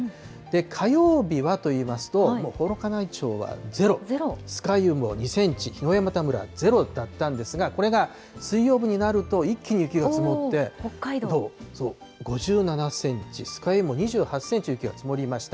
火曜日はといいますと、もう幌加内町は０、酸ヶ湯も２センチ、桧枝岐村は０だったんですが、これが水曜日になると、一気に雪が積もって、北海道５７センチ、酸ヶ湯も２７センチ雪が積もりました。